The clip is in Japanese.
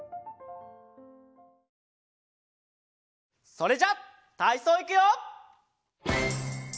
それじゃたいそういくよ！